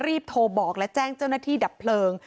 รีบโทรบอกและแจ้งเจ้าหน้าที่ดับเพลิง